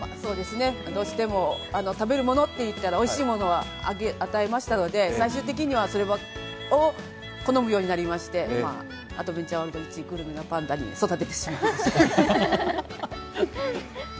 どうしても食べるものといったら、おいしいものは与えましたので、最終的にはそれを好むようになりまして、アドベンチャーワールドいちグルメのパンダに育ててしまいました。